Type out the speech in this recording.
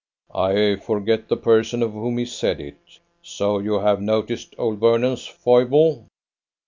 "I forget the person of whom he said it. So you have noticed old Vernon's foible?